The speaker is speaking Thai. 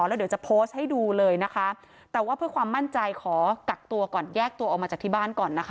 และจะโพสต์ให้ดูเลยนะคะแต่เพื่อความมั่นใจขอกลักตัวก่อนแยกตัวออกมาที่บ้านก่อนค่ะ